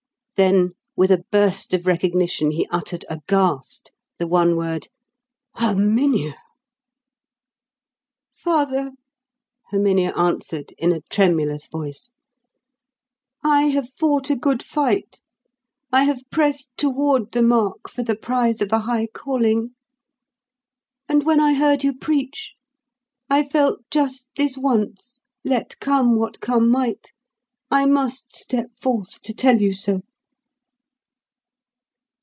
Then with a burst of recognition he uttered aghast the one word "Herminia!" "Father," Herminia answered, in a tremulous voice, "I have fought a good fight; I have pressed toward the mark for the prize of a high calling. And when I heard you preach, I felt just this once, let come what come might, I must step forth to tell you so."